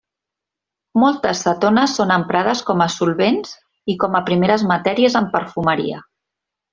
Moltes cetones són emprades com a solvents i com a primeres matèries en perfumeria.